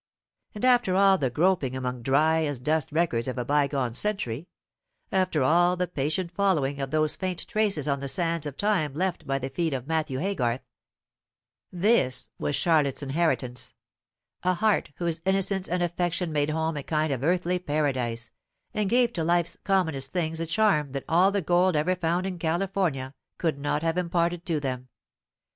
And after all the groping among dry as dust records of a bygone century, after all the patient following of those faint traces on the sands of time left by the feet of Matthew Haygarth, this was Charlotte's Inheritance, a heart whose innocence and affection made home a kind of earthly paradise, and gave to life's commonest things a charm that all the gold ever found in California could not have imparted to them.